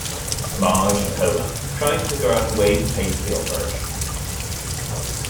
Marge and Homer try to figure out a way to pay for the operation.